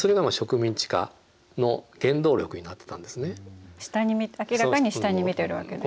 明らかに下に見てるわけですよね。